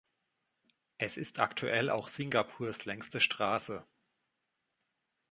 Es ist aktuell auch Singapurs längste Straße.